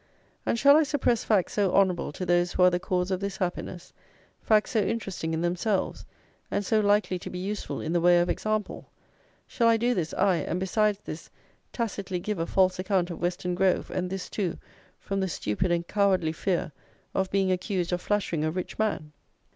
And shall I suppress facts so honourable to those who are the cause of this happiness, facts so interesting in themselves, and so likely to be useful in the way of example; shall I do this, aye, and, besides this, tacitly give a false account of Weston Grove, and this, too, from the stupid and cowardly fear of being accused of flattering a rich man?